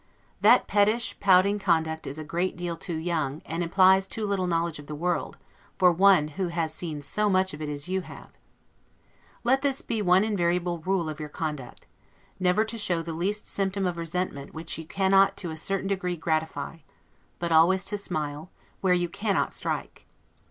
That pettish, pouting conduct is a great deal too young, and implies too little knowledge of the world, for one who has seen so much of it as you have. Let this be one invariable rule of your conduct, Never to show the least symptom of resentment which you cannot to a certain degree gratify; but always to smile, where you cannot strike.